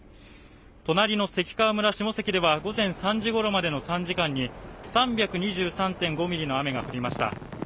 隣の関川村下関では午前３時ごろまでの３時間に３２３．５ミリの雨が降りました